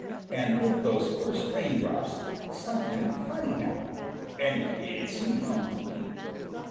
And with those first raindrops something funny happened. Anyway, it seemed funny to Peter.